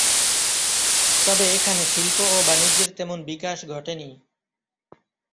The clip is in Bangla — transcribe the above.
তবে এখানে শিল্প ও বাণিজ্যের তেমন বিকাশ ঘটেনি।